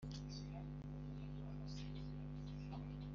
Ingano za sayiri ifu impeke zokeje ibishyimboinkori